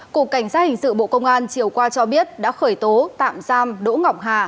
cục cảnh sát hình sự bộ công an chiều qua cho biết đã khởi tố tạm giam đỗ ngọc hà